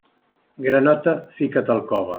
Granota, fica't al cove.